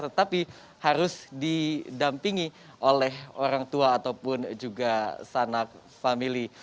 tetapi harus didampingi oleh orang tua ataupun juga sanak family